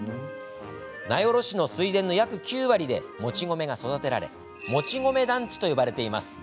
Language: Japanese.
名寄市の水田の約９割で餅米が育てられ餅米団地と呼ばれています。